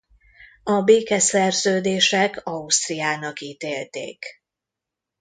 A békeszerződések Ausztriának ítélték.